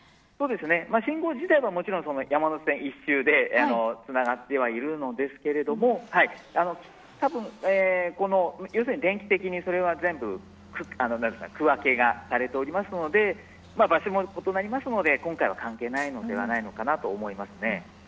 信号自体は、もちろん山手線一周でつながってはいますがおそらく電気的にそれは区分けがされているので場所も異なりますので今回は関係ないのかなと思います。